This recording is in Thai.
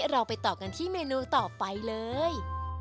เราไปต่อกันที่เมนูต่อไปเลย